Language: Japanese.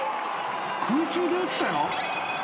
空中で打ったよ。